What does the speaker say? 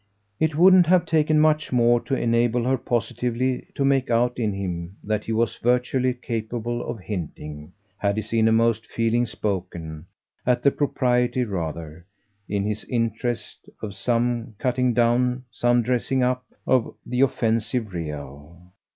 It wouldn't have taken much more to enable her positively to make out in him that he was virtually capable of hinting had his innermost feeling spoken at the propriety rather, in his interest, of some cutting down, some dressing up, of the offensive real.